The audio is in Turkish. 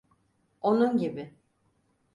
Onun gibi.